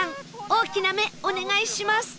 大きな目お願いします